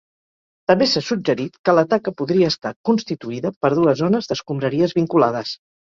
També s'ha suggerit que la taca podria estar constituïda per dues zones d'escombraries vinculades.